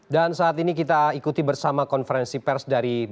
dan saat ini kita ikuti bersama konferensi pers dari bmkg jakarta